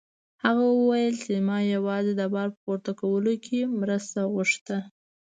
هغه وویل چې ما یوازې د بار په پورته کولو کې مرسته غوښته.